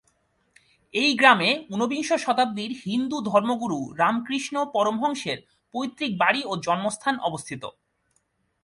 এই গ্রামে ঊনবিংশ শতাব্দীর হিন্দু ধর্মগুরু রামকৃষ্ণ পরমহংসের পৈত্রিক বাড়ি ও জন্মস্থান অবস্থিত।